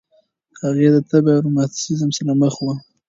هغې د تبه او روماتیسم سره مخ وه.